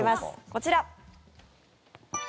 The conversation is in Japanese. こちら。